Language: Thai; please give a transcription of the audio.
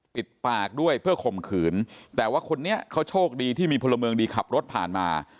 ปิดปากด้วยเพื่อข่มขืนแต่ว่าคนนี้เขาโชคดีที่มีพลเมืองดีขับรถผ่านมา